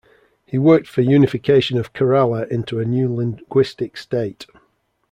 He worked for unification of Kerala into a new linguistic state.